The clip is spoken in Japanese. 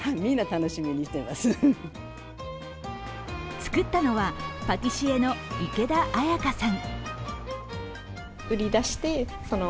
作ったのはパティシエの池田綾香さん。